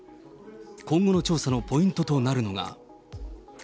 今後の調査のポイントとなるのが。